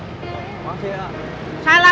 ajeng ini manusia ini at yong